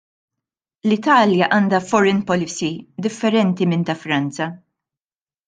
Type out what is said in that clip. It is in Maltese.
L-Italja għandha foreign policy differenti minn ta' Franza.